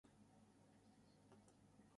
The riding is one of Calgary's few swing ridings.